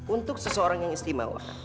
untuk seseorang yang istimewa